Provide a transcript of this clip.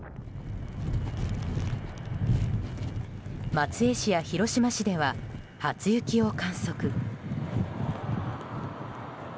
松江市や広島市では初雪を観測。